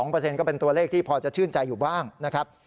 ๒เปอร์เซ็นต์ก็เป็นตัวเลขที่พอจะชื่นใจอยู่บ้างนะครับ